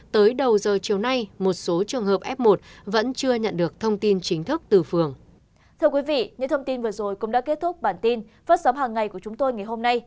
tới đầu giờ chiều nay một số trường hợp f một vẫn chưa nhận được thông tin chính thức từ phường